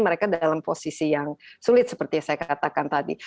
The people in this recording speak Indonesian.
mereka dalam posisi yang sulit seperti yang saya katakan tadi